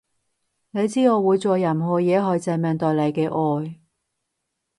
你知我會做任何嘢去證明對你嘅愛